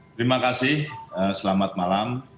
terima kasih selamat malam